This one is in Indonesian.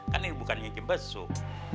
kan ini bukan gigi besuk